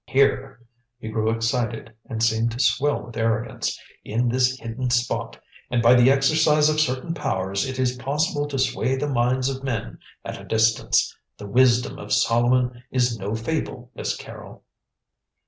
Here," he grew excited and seemed to swell with arrogance, "in this hidden spot, and by the exercise of certain powers, it is possible to sway the minds of men at a distance. The Wisdom of Solomon is no fable, Miss Carrol."